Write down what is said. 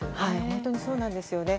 本当にそうなんですよね。